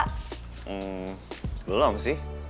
hmm belum sih